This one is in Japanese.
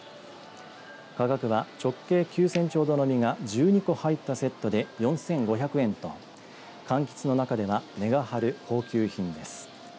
価格は、直径９センチほどの実が１２個入ったセットで４５００円とかんきつの中では値が張る高級品です。